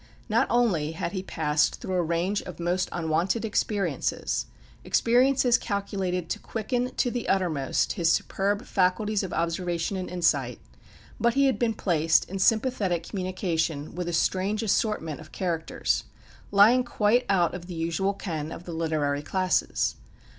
Not only had he passed through a range of most unwonted experiences, experiences calculated to quicken to the uttermost his superb faculties of observation and insight; but he had been placed in sympathetic communication with a strange assortment of characters, lying quite out of the usual ken of the literary classes.